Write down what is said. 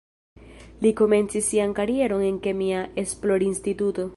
Li komencis sian karieron en kemia esplorinstituto.